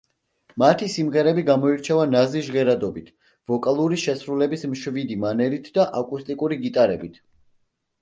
მათი სიმღერები გამოირჩევა ნაზი ჟღერადობით, ვოკალური შესრულების მშვიდი მანერით და აკუსტიკური გიტარებით.